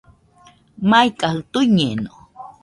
Maikajɨ tuiñeno